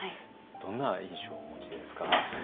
どんな印象をお持ちですか？